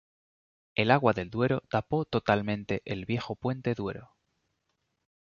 El agua del Duero tapó totalmente el viejo Puente Duero.